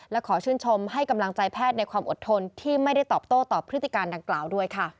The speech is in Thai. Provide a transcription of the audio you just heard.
และขอชื่นชมให้กำลังใจแพทย์ในความอดทนที่ไม่ได้ตอบโต้ตอบพฤติการดังกล่าวด้วยค่ะ